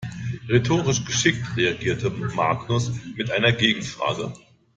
Rhetorisch geschickt reagierte Magnus mit einer Gegenfrage.